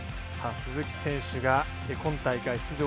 鈴木選手が今大会、出場